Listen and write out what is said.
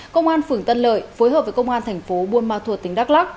công an phường tân lợi phối hợp với công an thành phố buôn ma thuột tỉnh đắk lắc